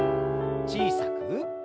小さく。